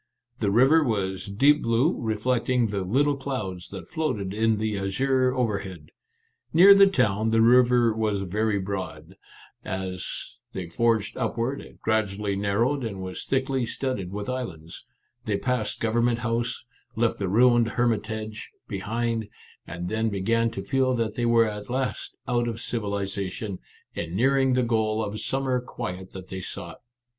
The river was deep blue, reflecting the lit tle clouds that floated in the azure overhead. Near the town the river was very broad ; as "THE TREE CLAD SHORES WORE A FAIRY GLAMOUR Our Little Canadian Cousin 47 they forged upward, it gradually narrowed, and was thickly studded with islands. They passed Government House, left the ruined Hermitage behind, and then began to feel that they were at last out of civilization, and near ing the goal of summer quiet that they sought.